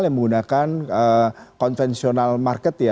yang menggunakan konvensional market ya